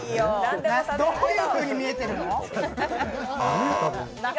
どういうふうに見えてるの？